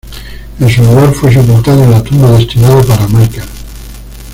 En su lugar, fue sepultado en la tumba destinada para Michael.